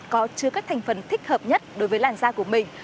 có chứa các thành phần thích hợp nhất đối với làn da của mình